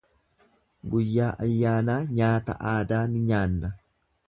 Guyyaa ayyaanaa nyaata aadaa ni nyaanna.